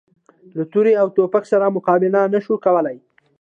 له تورې او توپک سره مقابله نه شو کولای.